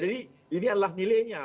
jadi ini adalah nilainya